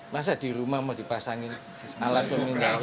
masa di rumah mau dipasangin alat pemindahan